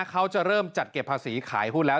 เขาจะเริ่มจัดเก็บภาษีขายหุ้นแล้ว